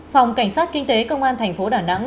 phòng cảnh sát kinh tế công an tp đà nẵng